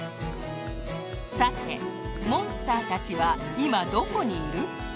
さてモンスターたちはいまどこにいる？